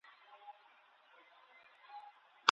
انجینري پوهنځۍ په ناسمه توګه نه رهبري کیږي.